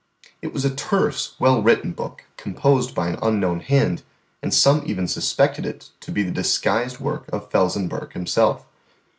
It was a terse, well written book, composed by an unknown hand, and some even suspected it to be the disguised work of Felsenburgh himself.